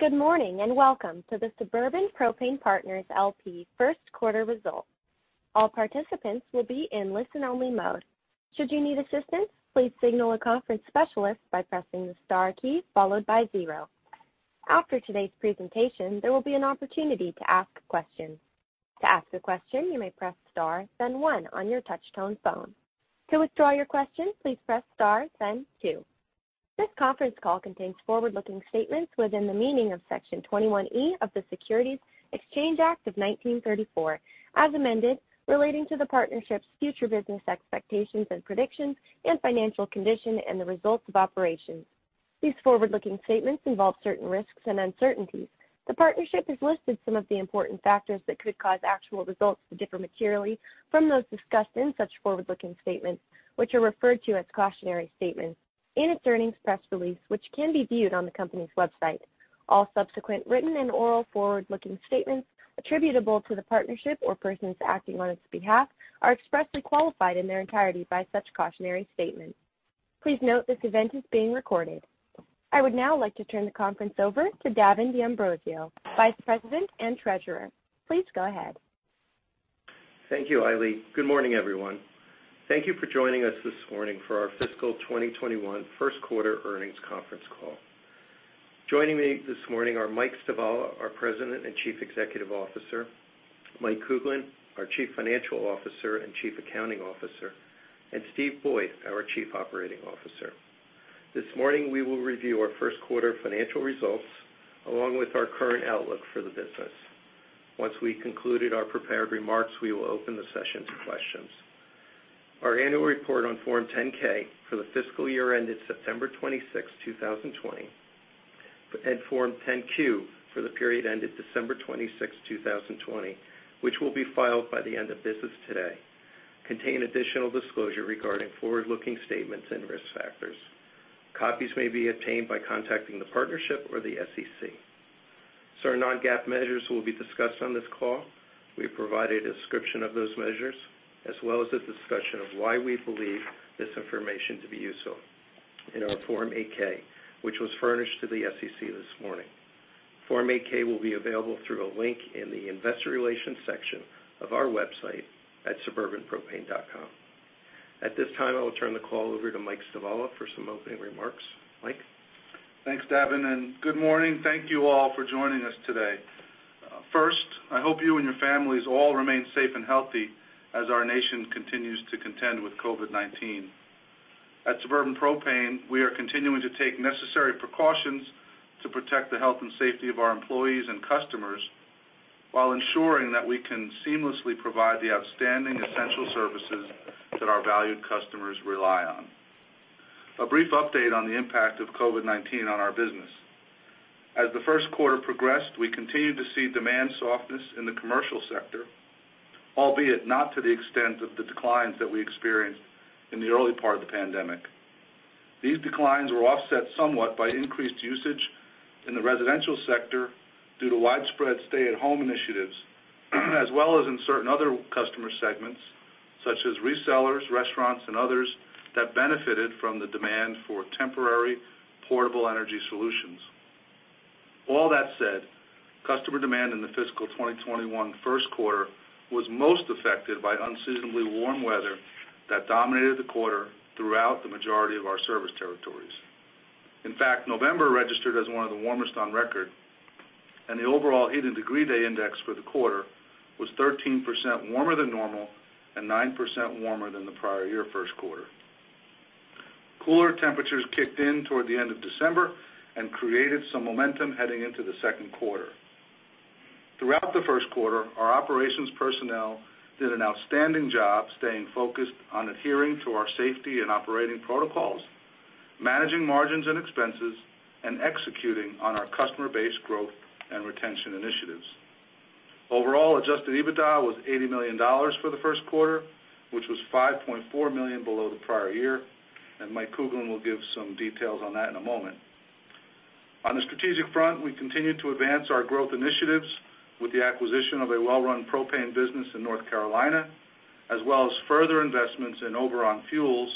Good morning, and welcome to the Suburban Propane Partners, L.P. Q1 results. This conference call contains forward-looking statements within the meaning of Section 21E of the Securities Exchange Act of 1934, as amended, relating to the partnership's future business expectations and predictions, and financial condition and the results of operations. These forward-looking statements involve certain risks and uncertainties. The partnership has listed some of the important factors that could cause actual results to differ materially from those discussed in such forward-looking statements, which are referred to as cautionary statements in its earnings press release, which can be viewed on the company's website. All subsequent written and oral forward-looking statements attributable to the partnership or persons acting on its behalf are expressly qualified in their entirety by such cautionary statements. Please note this event is being recorded. I would now like to turn the conference over to Davin D'Ambrosio, Vice President and Treasurer. Please go ahead. Thank you, Ailey. Good morning, everyone. Thank you for joining us this morning for our fiscal 2021 Q1 earnings conference call. Joining me this morning are Mike Stivala, our President and Chief Executive Officer, Mike Kuglin, our Chief Financial Officer and Chief Accounting Officer, and Steve Boyd, our Chief Operating Officer. This morning, we will review our Q1 financial results, along with our current outlook for the business. Once we concluded our prepared remarks, we will open the session to questions. Our annual report on Form 10-K for the fiscal year ended 26 September 2020, and Form 10-Q for the period ended 26 December 2020, which will be filed by the end of business today, contain additional disclosure regarding forward-looking statements and risk factors. Copies may be obtained by contacting the partnership or the SEC. Certain non-GAAP measures will be discussed on this call. We have provided a description of those measures, as well as a discussion of why we believe this information to be useful in our Form 8-K, which was furnished to the SEC this morning. Form 8-K will be available through a link in the investor relations section of our website at suburbanpropane.com. At this time, I will turn the call over to Mike Stivala for some opening remarks. Mike? Thanks, Davin, and good morning. Thank you all for joining us today. First, I hope you and your families all remain safe and healthy as our nation continues to contend with COVID-19. At Suburban Propane, we are continuing to take necessary precautions to protect the health and safety of our employees and customers, while ensuring that we can seamlessly provide the outstanding essential services that our valued customers rely on. A brief update on the impact of COVID-19 on our business. As the Q1 progressed, we continued to see demand softness in the commercial sector, albeit not to the extent of the declines that we experienced in the early part of the pandemic. These declines were offset somewhat by increased usage in the residential sector due to widespread stay-at-home initiatives, as well as in certain other customer segments, such as resellers, restaurants, and others, that benefited from the demand for temporary portable energy solutions. All that said, customer demand in the fiscal 2021 Q1 was most affected by unseasonably warm weather that dominated the quarter throughout the majority of our service territories. In fact, November registered as one of the warmest on record, and the overall heating degree day index for the quarter was 13% warmer than normal and 9% warmer than the prior year Q1. Cooler temperatures kicked in toward the end of December and created some momentum heading into the Q2. Throughout the Q1, our operations personnel did an outstanding job staying focused on adhering to our safety and operating protocols, managing margins and expenses, and executing on our customer base growth and retention initiatives. Overall, adjusted EBITDA was $80 million for the Q1, which was $5.4 million below the prior year, and Mike Kuglin will give some details on that in a moment. On the strategic front, we continued to advance our growth initiatives with the acquisition of a well-run Propane business in North Carolina, as well as further investments in Oberon Fuels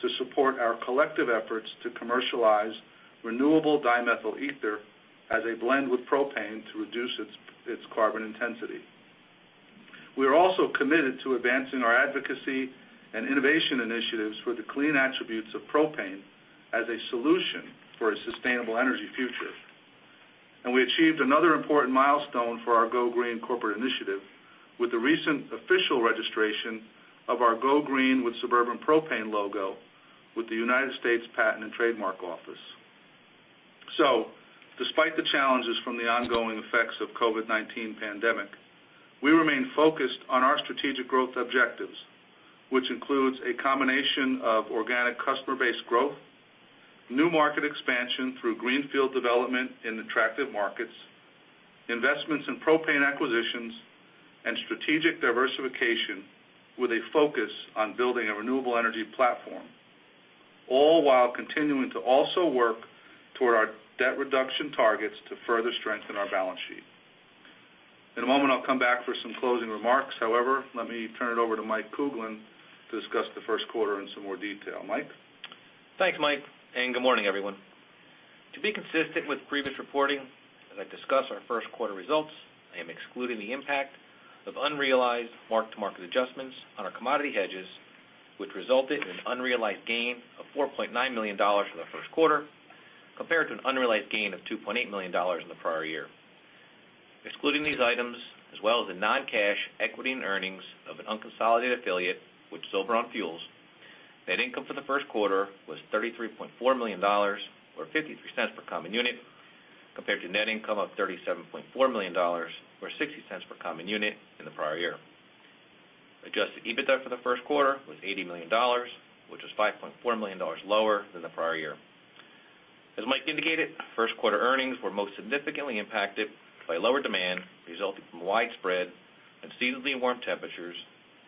to support our collective efforts to commercialize renewable dimethyl ether as a blend with Propane to reduce its carbon intensity. We are also committed to advancing our advocacy and innovation initiatives for the clean attributes of Propane as a solution for a sustainable energy future. We achieved another important milestone for our Go Green corporate initiative with the recent official registration of our Go Green with Suburban Propane logo with the United States Patent and Trademark Office. Despite the challenges from the ongoing effects of COVID-19 pandemic, we remain focused on our strategic growth objectives, which includes a combination of organic customer base growth, new market expansion through greenfield development in attractive markets, investments in Propane acquisitions, and strategic diversification with a focus on building a renewable energy platform. All while continuing to also work toward our debt reduction targets to further strengthen our balance sheet. In a moment, I'll come back for some closing remarks. However, let me turn it over to Mike Kuglin to discuss the Q1 in some more detail. Mike? Thanks, Mike. Good morning, everyone. To be consistent with previous reporting, as I discuss our Q1 results, I am excluding the impact of unrealized mark-to-market adjustments on our commodity hedges, which resulted in an unrealized gain of $4.9 million for the Q1, compared to an unrealized gain of $2.8 million in the prior year. Excluding these items, as well as the non-cash equity and earnings of an unconsolidated affiliate with Oberon Fuels, net income for the Q1 was $33.4 million, or $0.53 per common unit, compared to net income of $37.4 million, or $0.60 per common unit, in the prior year. Adjusted EBITDA for the Q1 was $80 million, which was $5.4 million lower than the prior year. As Mike indicated, Q1 earnings were most significantly impacted by lower demand resulting from widespread unseasonably warm temperatures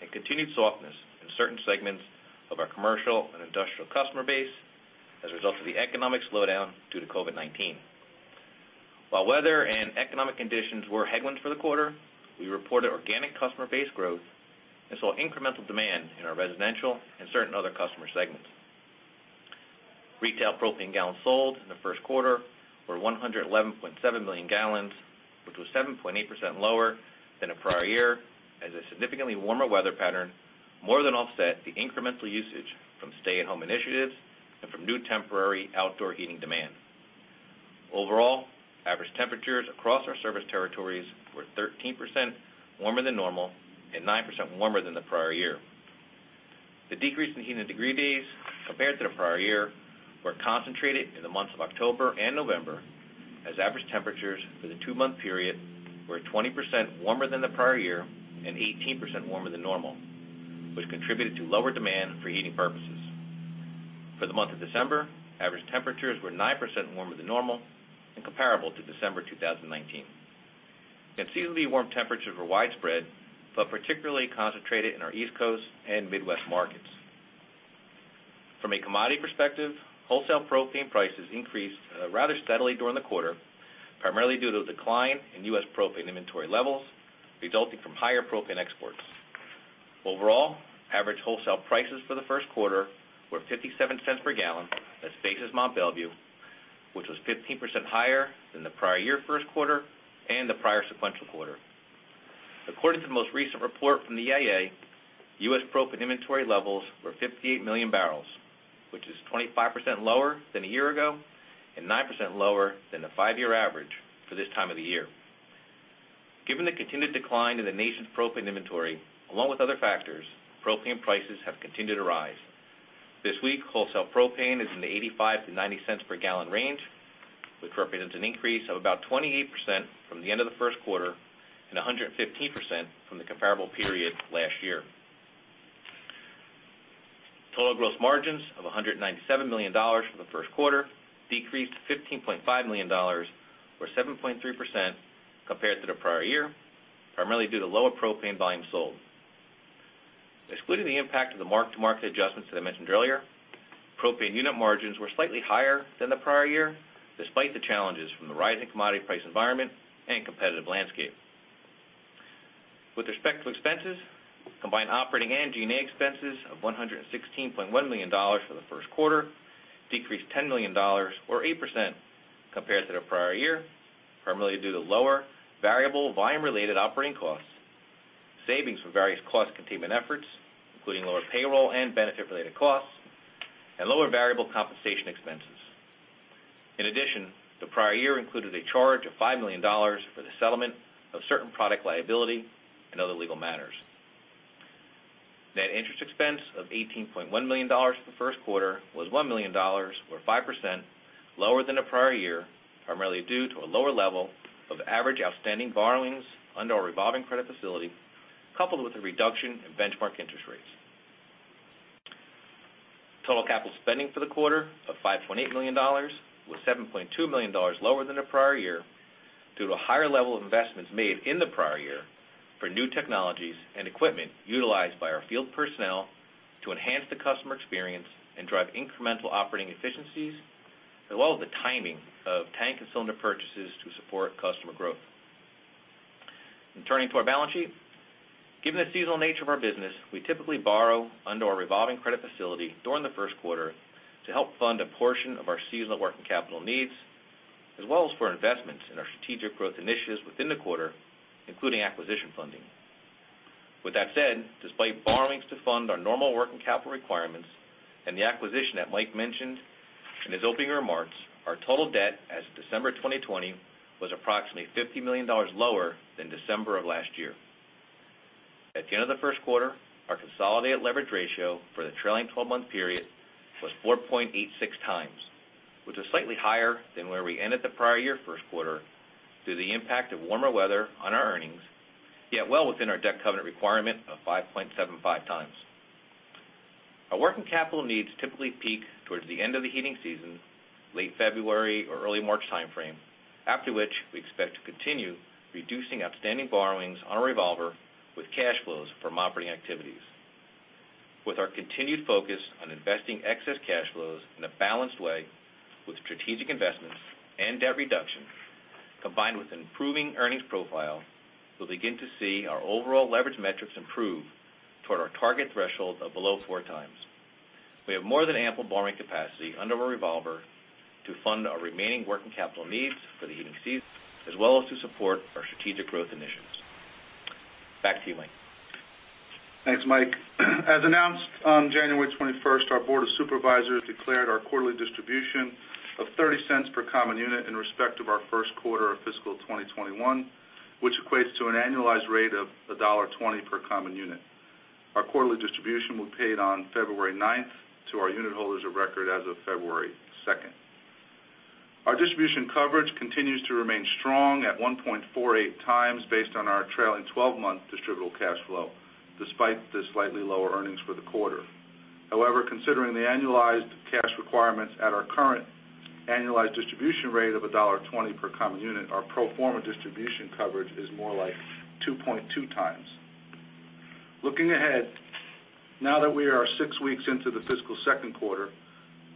and continued softness in certain segments of our commercial and industrial customer base as a result of the economic slowdown due to COVID-19. While weather and economic conditions were headwinds for the quarter, we reported organic customer base growth and saw incremental demand in our residential and certain other customer segments. Retail Propane gallons sold in the Q1 were 111.7 million gallons, which was 7.8% lower than the prior year, as a significantly warmer weather pattern more than offset the incremental usage from stay-at-home initiatives and from new temporary outdoor heating demand. Overall, average temperatures across our service territories were 13% warmer than normal and 9% warmer than the prior year. The decrease in heating degree days compared to the prior year were concentrated in the months of October and November, as average temperatures for the two-month period were 20% warmer than the prior year and 18% warmer than normal, which contributed to lower demand for heating purposes. For the month of December, average temperatures were 9% warmer than normal and comparable to December 2019. Unseasonably warm temperatures were widespread, but particularly concentrated in our East Coast and Midwest markets. From a commodity perspective, wholesale Propane prices increased rather steadily during the quarter, primarily due to a decline in U.S. Propane inventory levels, resulting from higher Propane exports. Overall, average wholesale prices for the Q1 were $0.57 per gallon at basis Mont Belvieu, which was 15% higher than the prior year Q1 and the prior sequential quarter. According to the most recent report from the EIA, U.S. Propane inventory levels were 58 million barrels, which is 25% lower than a year ago and 9% lower than the five-year average for this time of the year. Given the continued decline in the nation's Propane inventory, along with other factors, Propane prices have continued to rise. This week, wholesale Propane is in the $0.85-$0.90 per gallon range, which represents an increase of about 28% from the end of the Q1 and 115% from the comparable period last year. Total gross margins of $197 million for the Q1 decreased $15.5 million, or 7.3%, compared to the prior year, primarily due to lower Propane volume sold. Excluding the impact of the mark-to-market adjustments that I mentioned earlier, Propane unit margins were slightly higher than the prior year, despite the challenges from the rising commodity price environment and competitive landscape. With respect to expenses, combined operating and SG&A expenses of $116.1 million for the Q1 decreased $10 million, or 8%, compared to the prior year, primarily due to lower variable volume-related operating costs, savings from various cost containment efforts, including lower payroll and benefit-related costs, and lower variable compensation expenses. In addition, the prior year included a charge of $5 million for the settlement of certain product liability and other legal matters. Net interest expense of $18.1 million for the Q1 was $1 million, or 5%, lower than the prior year, primarily due to a lower level of average outstanding borrowings under our revolving credit facility, coupled with a reduction in benchmark interest rates. Total capital spending for the quarter of $5.8 million was $7.2 million lower than the prior year due to a higher level of investments made in the prior year for new technologies and equipment utilized by our field personnel to enhance the customer experience and drive incremental operating efficiencies, as well as the timing of tank and cylinder purchases to support customer growth. Turning to our balance sheet. Given the seasonal nature of our business, we typically borrow under our revolving credit facility during the Q1 to help fund a portion of our seasonal working capital needs, as well as for investments in our strategic growth initiatives within the quarter, including acquisition funding. With that said, despite borrowings to fund our normal working capital requirements and the acquisition that Mike mentioned in his opening remarks, our total debt as of December 2020 was approximately $50 million lower than December of last year. At the end of the Q1, our consolidated leverage ratio for the trailing 12-month period was 4.86x, which is slightly higher than where we ended the prior year Q1 due to the impact of warmer weather on our earnings, yet well within our debt covenant requirement of 5.75x. Our working capital needs typically peak towards the end of the heating season, late February or early March timeframe, after which we expect to continue reducing outstanding borrowings on our revolver with cash flows from operating activities. With our continued focus on investing excess cash flows in a balanced way with strategic investments and debt reduction, combined with improving earnings profile, we'll begin to see our overall leverage metrics improve toward our target threshold of below 4x. We have more than ample borrowing capacity under our revolver to fund our remaining working capital needs for the heating season, as well as to support our strategic growth initiatives. Back to you, Mike. Thanks, Mike. As announced on 21 January, our Board of Supervisors declared our quarterly distribution of $0.30 per common unit in respect of our Q1 of fiscal 2021, which equates to an annualized rate of $1.20 per common unit. Our quarterly distribution was paid on 9 February to our unit holders of record as of 2 February. Our distribution coverage continues to remain strong at 1.48x based on our trailing 12-month distributable cash flow, despite the slightly lower earnings for the quarter. Considering the annualized cash requirements at our current annualized distribution rate of $1.20 per common unit, our pro forma distribution coverage is more like 2.2x. Looking ahead, now that we are six weeks into the fiscal Q2,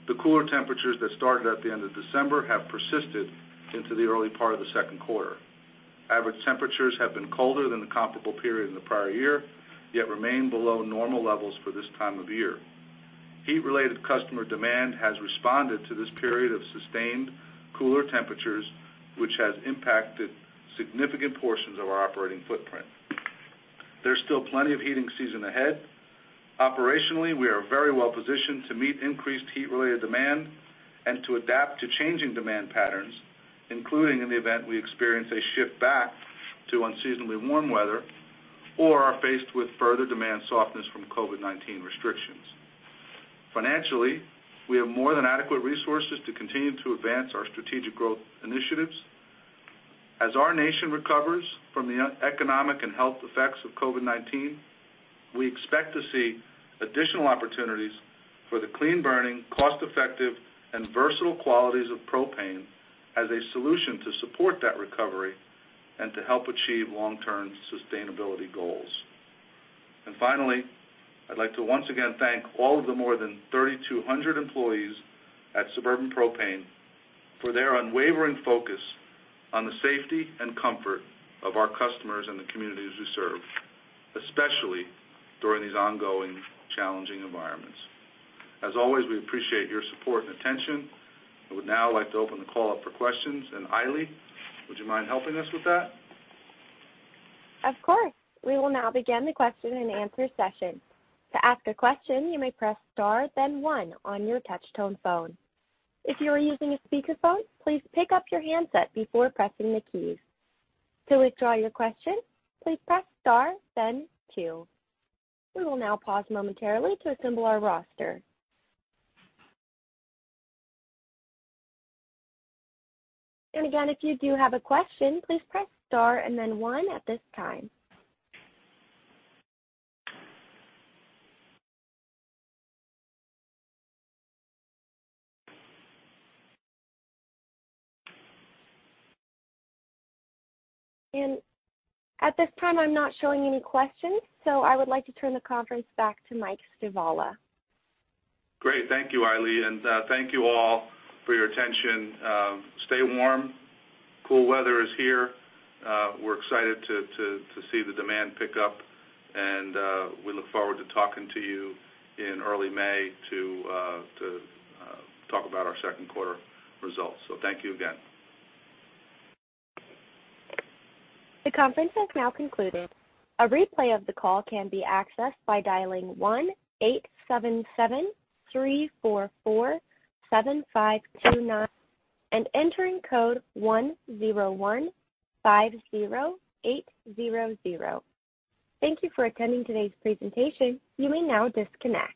the cooler temperatures that started at the end of December have persisted into the early part of the Q2. Average temperatures have been colder than the comparable period in the prior year, yet remain below normal levels for this time of year. Heat-related customer demand has responded to this period of sustained cooler temperatures, which has impacted significant portions of our operating footprint. There's still plenty of heating season ahead. Operationally, we are very well positioned to meet increased heat-related demand and to adapt to changing demand patterns, including in the event we experience a shift back to unseasonably warm weather or are faced with further demand softness from COVID-19 restrictions. Financially, we have more than adequate resources to continue to advance our strategic growth initiatives. As our nation recovers from the economic and health effects of COVID-19, we expect to see additional opportunities for the clean burning, cost-effective, and versatile qualities of Propane as a solution to support that recovery and to help achieve long-term sustainability goals. Finally, I'd like to once again thank all of the more than 3,200 employees at Suburban Propane for their unwavering focus on the safety and comfort of our customers and the communities we serve, especially during these ongoing challenging environments. As always, we appreciate your support and attention. I would now like to open the call up for questions. Ailey, would you mind helping us with that? Of course. We will now begin the question and answer session. At this time, I'm not showing any questions, so I would like to turn the conference back to Mike Stivala. Great. Thank you, Ailey. Thank you all for your attention. Stay warm. Cool weather is here. We're excited to see the demand pick up. We look forward to talking to you in early May to talk about our Q2 results. Thank you again. The conference has now concluded. Thank you for attending today's presentation. You may now disconnect.